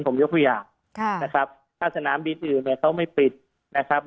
ผมยกตัวอย่างค่ะนะครับถ้าสนามบินอื่นเนี่ยเขาไม่ปิดนะครับ